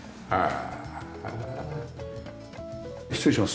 ああ。